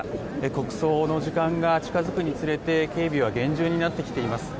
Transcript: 国葬の時間が近づくにつれて警備は厳重になってきています。